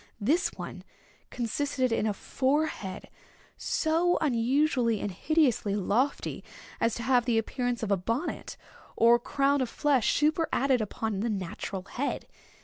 This one consisted in a forehead so unusually and hideously lofty, as to have the appearance of a bonnet or crown of flesh superadded upon the natural head.